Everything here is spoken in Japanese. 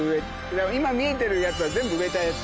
だから今見えてるやつは全部植えたやつです。